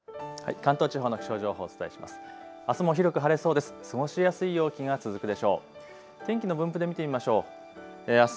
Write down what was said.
関東地方の気象情報お伝えします。